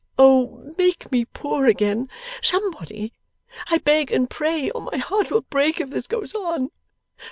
O! Make me poor again, Somebody, I beg and pray, or my heart will break if this goes on!